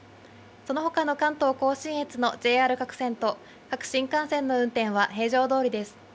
そのほかの関東甲信越のＪＲ各線と、各新幹線の運転は、平常どおりです。